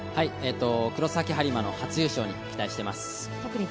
黒崎播磨の初優勝に期待しています。